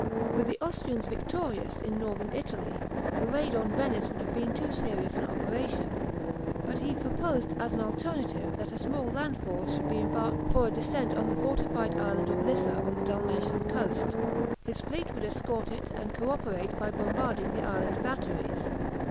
With the Austrians victorious in Northern Italy, a raid on Venice would have been too serious an operation, but he proposed as an alternative that a small land force should be embarked for a descent on the fortified island of Lissa, on the Dalmatian coast. His fleet would escort it, and co operate by bombarding the island batteries.